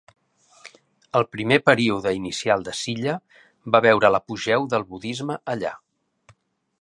El primer període inicial de Silla va veure l'apogeu del budisme allà.